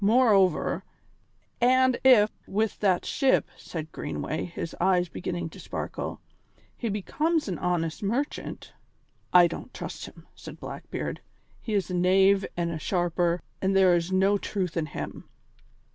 Moreover " "And if, with that ship," said Greenway, his eyes beginning to sparkle, "he become an honest merchant " "I don't trust him," said Blackbeard; "he is a knave and a sharper, and there is no truth in him.